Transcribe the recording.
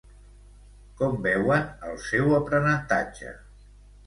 Com veuen el seu aprenentatge?